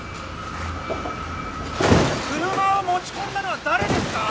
車を持ち込んだのは誰ですか？